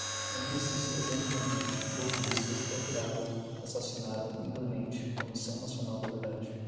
Cúmplices, exemplarmente, golpistas, torturaram, assassinaram, implemente, Comissão Nacional da Verdade